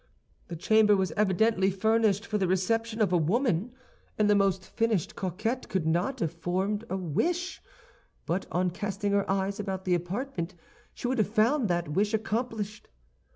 The chamber was evidently furnished for the reception of a woman; and the most finished coquette could not have formed a wish, but on casting her eyes about the apartment, she would have found that wish accomplished.